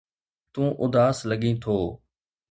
تون اداس لڳين ٿو